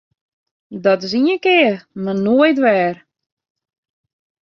Dat is ien kear mar noait wer!